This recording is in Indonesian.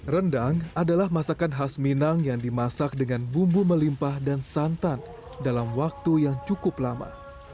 rendang adalah masakan khas minang yang dimasak dengan bumbu melimpah dan santan dalam waktu yang cukup lama